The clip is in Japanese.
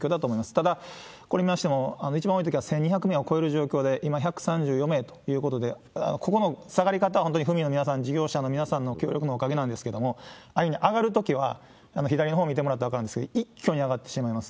ただ、これ見ましても、一番多いときは１２００名を超える状況で、今、１３４名ということで、ここの下がり方は、本当に府民の皆さん、事業者の皆さんの協力のおかげなんですけれども、ああいうふうに上がるときは、左のほう見てもらったら分かると思うんですけれども、一挙に上がってしまいます。